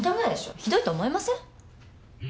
ひどいと思いません？